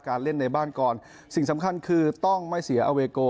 เล่นในบ้านก่อนสิ่งสำคัญคือต้องไม่เสียอเวโก